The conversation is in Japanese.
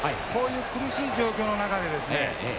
こういう苦しい状況の中でですね